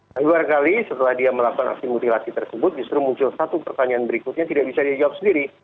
tapi barangkali setelah dia melakukan aksi mutilasi tersebut justru muncul satu pertanyaan berikutnya yang tidak bisa dia jawab sendiri